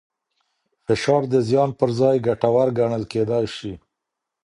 فشار د زیان پر ځای ګټور ګڼل کېدای شي.